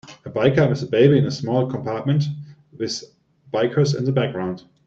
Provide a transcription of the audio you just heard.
A biker with a baby in a small compartment with bikers in the background.